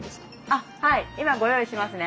あっはい今ご用意しますね。